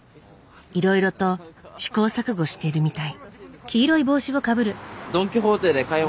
いろいろと試行錯誤してるみたい。